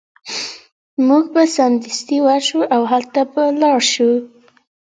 موږ به سمدستي ورشو او هلته به لاړ شو